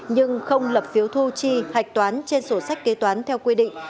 nhưng không lập phiếu thu chi hạch toán trên sổ sách kế toán theo quy định